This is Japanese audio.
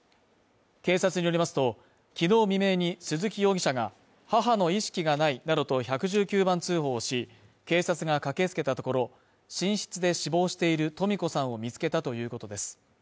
警察によりますと、きのう未明に鈴木容疑者が母の意識がないなどと１１９番通報し、警察が駆けつけたところ、寝室で死亡しているとみ子さんを見つけたということです。